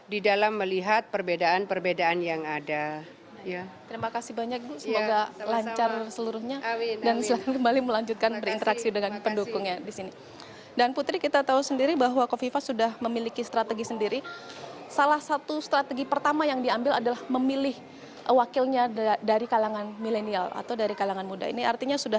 di dalam melihat perbedaan perbedaan yang ada